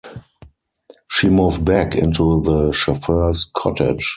She moved back into the chauffeur's cottage.